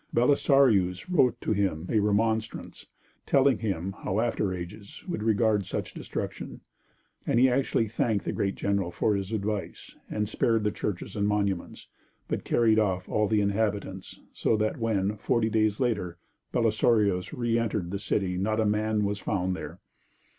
Belisarius wrote to him a remonstrance, telling him how after ages would regard such destruction, and he actually thanked the great general for his advice and spared the churches and monuments, but carried off all the inhabitants, so that when, forty days later, Belisarius re entered the city not a man was found there.